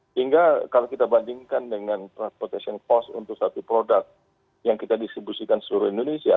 sehingga kalau kita bandingkan dengan transportation cost untuk satu produk yang kita distribusikan seluruh indonesia